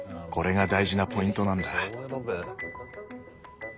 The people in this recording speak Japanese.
これが大事なポイントなんだ。